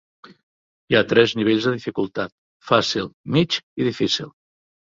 Hi ha tres nivells de dificultat: fàcil, mig i difícil.